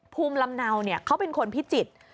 ภูมิลำเนาเขาเป็นคนพิจิตร